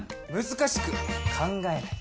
難しく考えない。